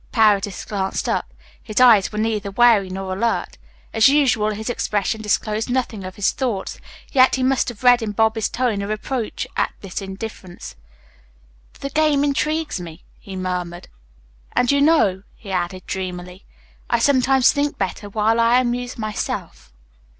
Paredes glanced up. His eyes were neither weary nor alert. As usual his expression disclosed nothing of his thoughts, yet he must have read in Bobby's tone a reproach at this indifference. "The game intrigues me," he murmured, "and you know," he added dreamily. "I sometimes think better while I amuse myself."